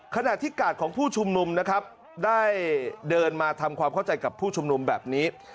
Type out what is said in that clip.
ขณะที่กาดของผู้ชุมนุมนะครับได้เดินมาทำความเข้าใจกับผู้ชุมนุมแบบนี้